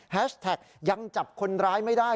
แท็กยังจับคนร้ายไม่ได้